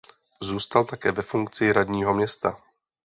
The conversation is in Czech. Zůstal také ve funkci radního města.